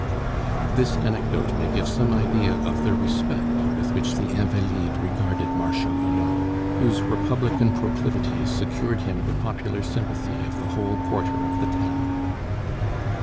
This anecdote may give some idea of the respect with which the Invalides regarded Marshal Hulot, whose Republican proclivities secured him the popular sympathy of the whole quarter of the town.